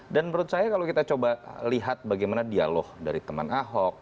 dan menurut saya kalau kita coba lihat bagaimana dialog dari teman ahok